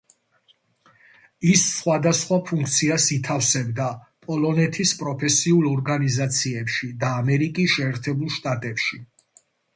ის სხვადასხვა ფუნქციას ითავსებდა პოლონეთის პროფესიულ ორგანიზაციებში და ამერიკის შეერთებულ შტატებში.